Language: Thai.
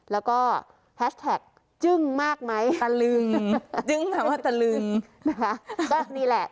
แล้วก็แฮชแท็กจึ้งมากไหมตะลึงจึ้งแต่ว่าตะลึงนะคะก็นี่แหละ